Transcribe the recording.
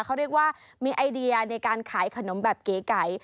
เขาเรียกว่ามีไอเดียในการขายขนมแบบเก๋ไก่